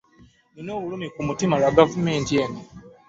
Nnina obulumi ku mutima lwa gavumenti eno.